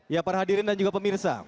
ya para hadirin dan juga pemirsa